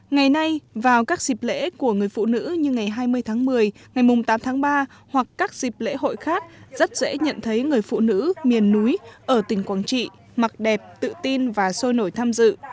ngày nay vào các dịp lễ của người phụ nữ như ngày hai mươi tháng một mươi ngày tám tháng ba hoặc các dịp lễ hội khác rất dễ nhận thấy người phụ nữ miền núi ở tỉnh quảng trị mặc đẹp tự tin và sôi nổi tham dự